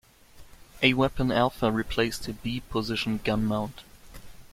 A Weapon Alpha replaced the B position gun mount.